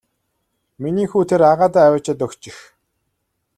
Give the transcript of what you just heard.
Миний хүү тэр агаадаа аваачаад өгчих.